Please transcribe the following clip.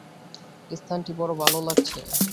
এ স্থানটি বড় ভাল লাগছে।